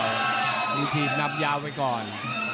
มีทีมนำยาวไปก่อน